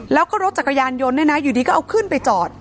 แล้วก็รถจักรยานยนต์เนี่ยนะอยู่ดีก็เอาขึ้นไปจอด